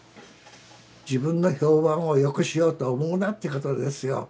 自分の評判をよくしようと思うなということですよ。